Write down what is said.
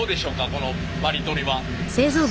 このバリ取りは。